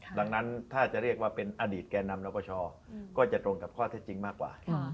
ดังนั้นถ้าจะเรียกว่าเป็นอดีตแก่นำรับประชาก็จะตรงกับข้อเท็จจริงมากกว่า